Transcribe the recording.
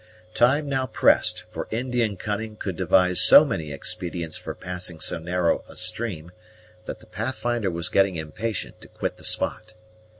Time now pressed; for Indian cunning could devise so many expedients for passing so narrow a stream, that the Pathfinder was getting impatient to quit the spot.